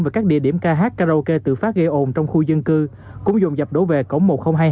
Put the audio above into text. về các địa điểm kh karaoke tự phát gây ồn trong khu dân cư cũng dùng dập đổ về cổng một nghìn hai mươi hai